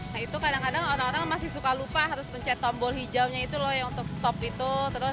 nah itu kadang kadang orang orang masih suka lupa harus mencet tombol hijaunya itu loh yang untuk stop itu